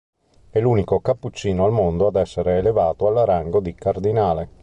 È l'unico cappuccino al mondo ad essere elevato al rango di cardinale.